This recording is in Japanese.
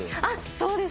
そうです